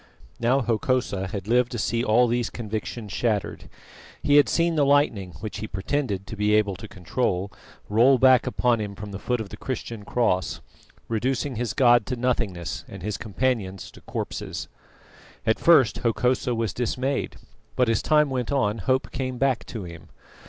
Now Hokosa had lived to see all these convictions shattered: he had seen the lightning, which he pretended to be able to control, roll back upon him from the foot of the Christian cross, reducing his god to nothingness and his companions to corpses. At first Hokosa was dismayed, but as time went on hope came back to him.